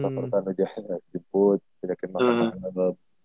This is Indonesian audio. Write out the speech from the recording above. gustafur tanu jahil diajakin makan ngobrol